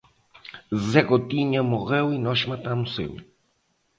Zé Gotinha morreu e nós matamos ele.